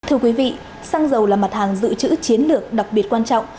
thưa quý vị xăng dầu là mặt hàng dự trữ chiến lược đặc biệt quan trọng